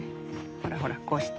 ほらほらこうして。